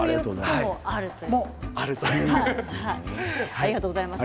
ありがとうございます。